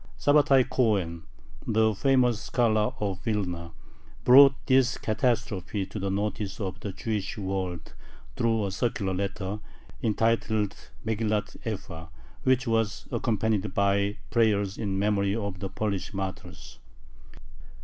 Sabbatai Kohen, the famous scholar of Vilna, brought this catastrophe to the notice of the Jewish world through a circular letter, entitled Meghillath Efa, which was accompanied by prayers in memory of the Polish martyrs.